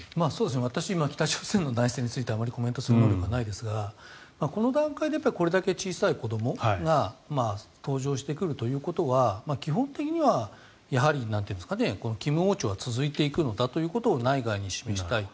私、北朝鮮の内政についてあまりコメントする能力がないですがこの段階でこれだけ小さい子どもが登場してくるということは基本的には金王朝は続いていくのだということを内外に示したいと。